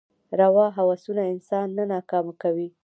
روا هوسونه انسان نه ناکام کوي.